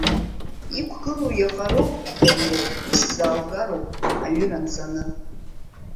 Иқәгылоу иаҟароу, Тариел, исзааугароуп, аҩыра анҵаны.